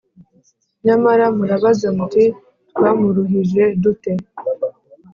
nyamara murabaza muti ‘Twamuruhije dute?’